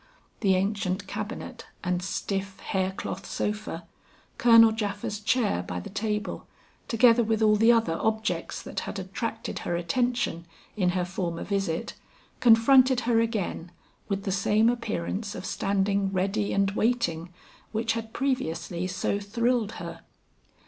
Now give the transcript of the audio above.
The ancient cabinet and stiff hair cloth sofa, Colonel Japha's chair by the table, together with all the other objects that had attracted her attention in her former visit, confronted her again with the same appearance of standing ready and waiting, which had previously so thrilled her.